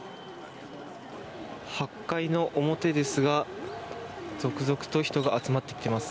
８回の表ですが続々と人が集まってきています。